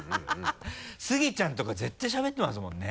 スギちゃんとか絶対しゃべってますもんね。